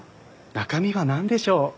中身はなんでしょう？